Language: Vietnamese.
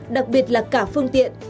đặc biệt là cả phương tiện